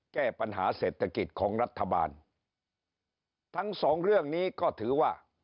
แก้ปัญหาเศรษฐกิจของรัฐบาลทั้งสองเรื่องนี้ก็ถือว่า